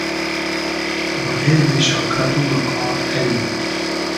بودې بې شۆکئت و وئقار کݷ مۉ